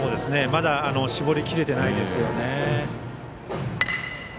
まだ絞りきれていないですよね。